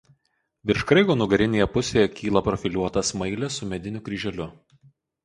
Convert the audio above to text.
Virš kraigo nugarinėje pusėje kyla profiliuota smailė su mediniu kryželiu.